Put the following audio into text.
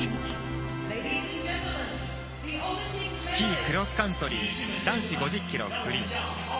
スキー・クロスカントリー男子 ５０ｋｍ フリー。